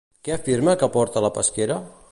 Què afirma que aporta la pesquera?